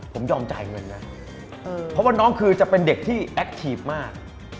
ผมยอมจ่ายเงินนะเพราะว่าน้องคือจะเป็นเด็กที่แอคทีฟมาก